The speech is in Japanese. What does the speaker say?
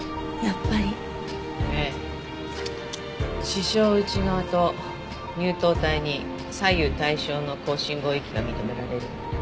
視床内側と乳頭体に左右対称の高信号域が認められる。